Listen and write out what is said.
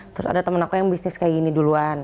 terus ada temen aku yang bisnis kayak gini duluan